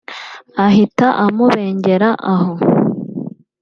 ahita amubengera aho